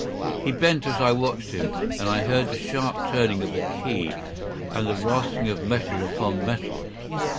He bent as I watched him, and I heard the sharp turning of a key and the rasping of metal upon metal.